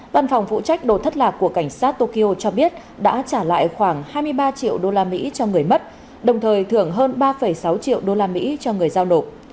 văn phòng phụ trách đồ thất lạc của cảnh sát tokyo cho biết đã trả lại khoảng hai mươi ba triệu đô la mỹ cho người mất đồng thời thưởng hơn ba sáu triệu đô la mỹ cho người giao nộp